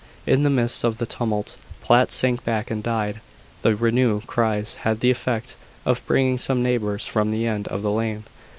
In the midst of the tumult, Platt sank back and died. The renewed cries had the effect of bringing some neighbours from the end of the lane.